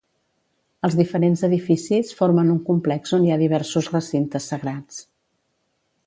Els diferents edificis formen un complex on hi ha diversos recintes sagrats.